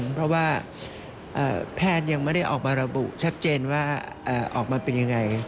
เพราะว่าแพทย์ยังไม่ได้ออกมาระบุชัดเจนว่าออกมาเป็นยังไง